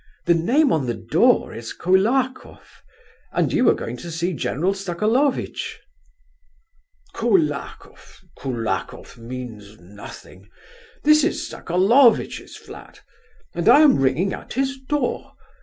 "The name on the door is Koulakoff, and you were going to see General Sokolovitch." "Koulakoff... Koulakoff means nothing. This is Sokolovitch's flat, and I am ringing at his door....